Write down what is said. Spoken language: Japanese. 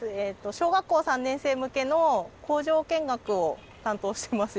小学校３年生向けの工場見学を担当してます。